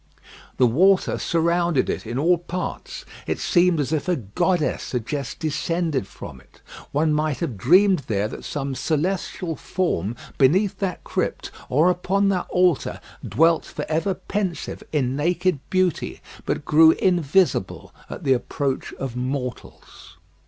The water surrounded it in all parts. It seemed as if a goddess had just descended from it. One might have dreamed there that some celestial form beneath that crypt or upon that altar dwelt for ever pensive in naked beauty, but grew invisible at the approach of mortals.